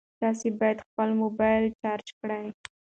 تاسي باید خپل موبایل چارج کړئ.